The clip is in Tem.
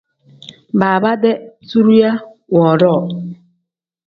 Baaba-dee zuriya woodoo.